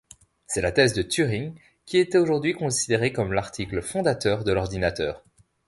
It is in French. C'est la thèse de Turing qui est aujourd'hui considérée comme l'article fondateur de l'ordinateur.